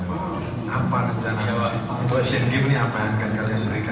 dinda apa rencana apa rencana untuk asian gif ini apa yang akan kalian berikan untuk negara